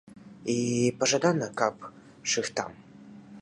І пажадана, каб шыхтам.